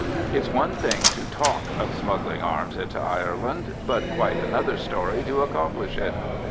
It's one thing to talk of smuggling arms into Ireland, but quite another story to accomplish it.